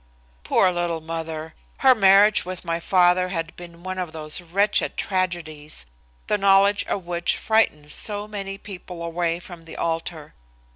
Poor little mother! Her marriage with my father had been one of those wretched tragedies, the knowledge of which frightens so many people away from the altar.